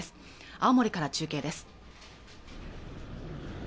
青森から中継です